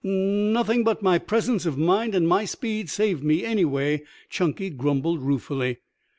"Nothing but my presence of mind and my speed saved me, anyway," Chunky grumbled ruefully.